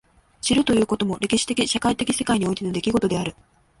知るということも歴史的社会的世界においての出来事である。